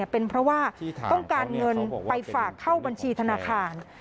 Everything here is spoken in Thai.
เป็นเพราะว่าต้องการเงินไปฝากเข้าบัญชีธนาคาร